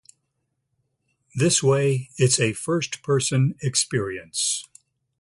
"This way it's a first-person experience".